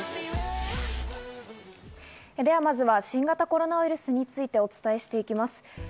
まずは新型コロナウイルスについてお伝えしていきます。